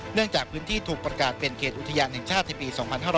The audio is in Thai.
จากพื้นที่ถูกประกาศเป็นเขตอุทยานแห่งชาติในปี๒๕๕๙